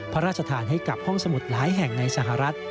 พระราชทานให้กับห้องสมุดหลายแห่งในสหรัฐ